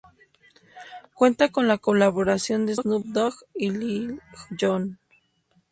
Cuenta con la colaboración de Snoop Dogg y Lil Jon.